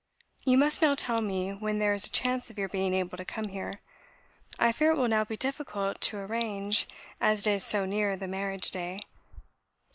You must now tell me when there is a chance of your being able to come here. I fear it will now be difficult to arrange, as it is so near the marriage day.